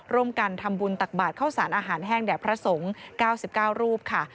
ร่วมกันทำบุญตักบาทเข้าสารอาหารแห้งแด่พระสงฆ์๙๙รูปค่ะ